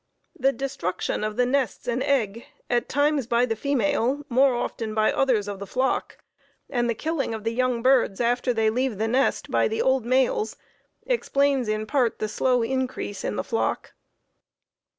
The destruction of the nests and egg, at times by the female, more often by others of the flock, and the killing of the young birds, after they leave the nest, by the old males, explains in part the slow increase in the flock.